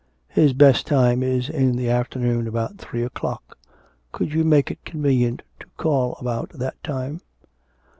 His best time is in the afternoon about three o'clock. Could you make it convenient to call about that time?